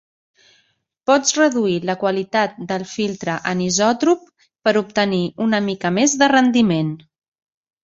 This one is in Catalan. Pots reduir la qualitat del filtre anisòtrop per obtenir una mica més de rendiment.